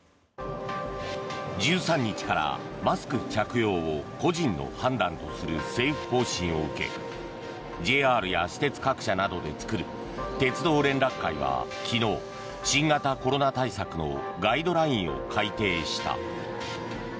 １３日からマスク着用を個人の判断とする政府方針を受けＪＲや私鉄各社などで作る鉄道連絡会が昨日新型コロナ対策のガイドラインを改定した。